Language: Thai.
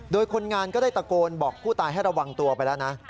โดยคนงานก็ได้ตะโกนบอกผู้ตายให้ระวังตัวไปแล้วนะ